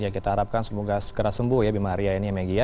kita harapkan semoga segera sembuh ya bima arya ini ya megi ya